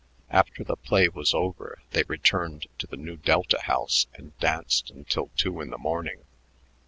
After the play was over, they returned to the Nu Delta house and danced until two in the morning.